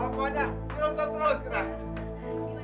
pokoknya kita menang terus